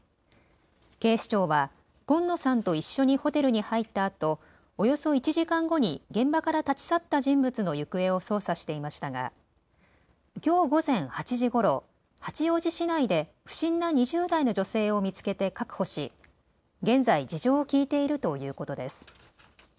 警視庁は今野さんと一緒にホテルに入ったあとおよそ１時間後に現場から立ち去った人物の行方を捜査していましたがきょう午前８時ごろ、八王子市内で不審な２０代の女性を見つけて確保し、現在事情を聴いているということです。